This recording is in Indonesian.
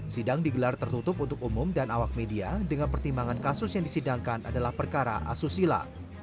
sidang digelar tertutup untuk umum dan awak media dengan pertimbangan kasus yang disidangkan adalah perkara asusila